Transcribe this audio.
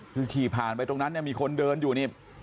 คือขี่ผ่านไปตรงนั้นเนี่ยมีคนเดินอยู่นี่